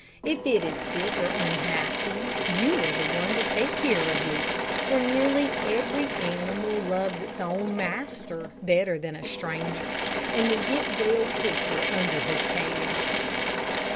If it is sick or unhappy, you are the one to take care of it; for nearly every animal loves its own master better than a stranger, and will get well quicker under his care."